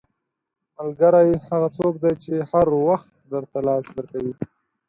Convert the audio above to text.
• ملګری هغه څوک دی چې هر وخت درته لاس درکوي.